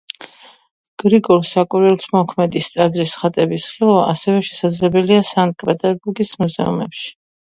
გრიგოლ საკვირველთმოქმედის ტაძრის ხატების ხილვა ასევე შესაძლებელია სანქტ-პეტერბურგის მუზეუმებში.